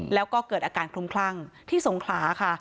แล้วก็เกิดอาการคลุมคลั่งที่สงขลาค่ะ